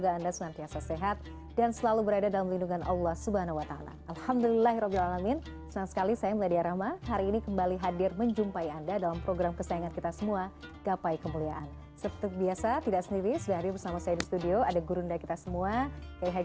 assalamualaikum warahmatullahi wabarakatuh